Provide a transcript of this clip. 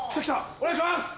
お願いします！